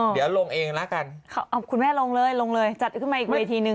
เดี๋ยวลงเองละกันเอาคุณแม่ลงเลยลงเลยจัดขึ้นมาอีกเวทีนึง